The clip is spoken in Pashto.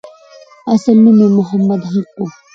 اصل نوم یې محمد حق وو.